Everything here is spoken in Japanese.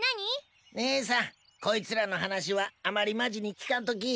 ねえさんこいつらの話はあまりマジに聞かんとき。